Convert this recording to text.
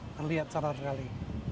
terlihat cerah sekali